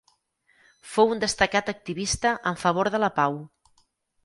Fou un destacat activista en favor de la pau.